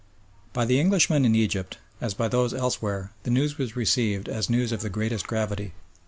By the Englishmen in Egypt, as by those elsewhere, the news was received as news of the greatest gravity.